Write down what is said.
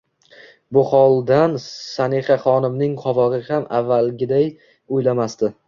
bu holdan Sanixaxonimning qovog'i ham avvalgaday o'ylamasdi.